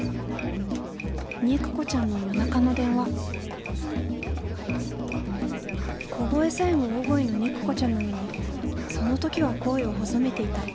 肉子ちゃんの夜中の電話小声さえも大声の肉子ちゃんなのにその時は声を細めていた。